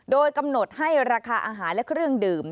โดยกำหนดให้ราคาอาหารและเครื่องดื่ม